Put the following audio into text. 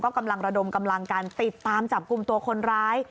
กำลังระดมกำลังการติดตามจับกลุ่มตัวคนร้าย